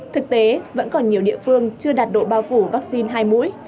thực tế vẫn còn nhiều địa phương chưa đạt độ bao phủ vaccine hai mũi